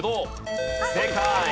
正解。